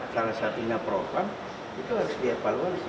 salah satunya propam itu harus dievaluasi